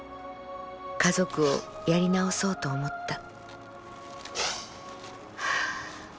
家族をやり直そうと思った」。